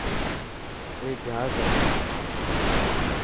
اي جهاز هي.